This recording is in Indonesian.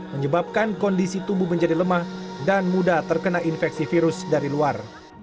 menyebabkan kondisi tubuh menjadi lemah dan mudah terkena infeksi virus dari luar